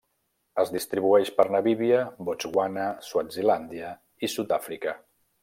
Es distribueix per Namíbia, Botswana, Swazilàndia i Sud-àfrica.